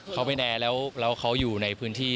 เขาไปแอร์แล้วเขาอยู่ในพื้นที่